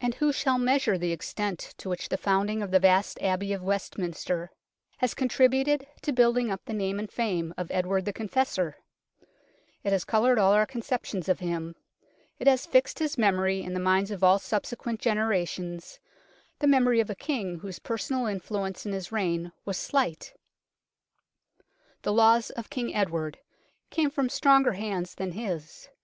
And who shall measure the extent to which the founding of the vast Abbey of Westminster has contributed to building up the name and fame of Edward the Confessor ? It has coloured all our conceptions of him. It has fixed his memory in the minds of all subsequent genera tions the memory of a King whose personal influence in his reign was slight. " The laws of King Edward " came from stronger hands than his.